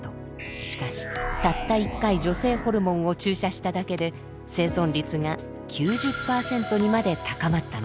しかしたった一回女性ホルモンを注射しただけで生存率が９０％にまで高まったのです。